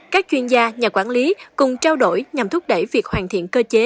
các chuyên gia nhà quản lý cùng trao đổi nhằm thúc đẩy việc hoàn thiện cơ chế